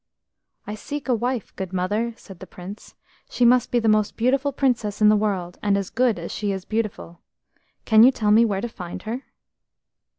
"I seek a wife, good mother," said the Prince. "She must be the most beautiful princess in the world, and as good as she is beautiful. Can you tell me where to find her?